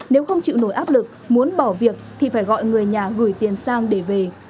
nếu không chịu nổi áp lực muốn bỏ việc thì phải gọi người nhà gửi tiền sang để về